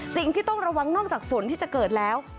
สิ่งที่ต้องระวังนอกจากฝนที่จะเกิดแล้ว